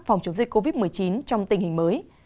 phòng chống dịch covid một mươi chín trong tình hình mới